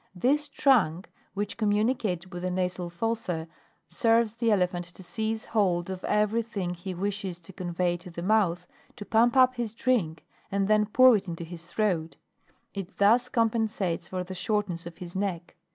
This trunk, which communicates with the nasal fossa3, serves the Elephant to seize hold of every thing he wishes to convey to the mouth, to pump up his drink, and then pour it into his throat ; it thus compensates for the shortness of his neck.